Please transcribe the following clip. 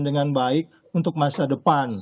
dengan baik untuk masa depan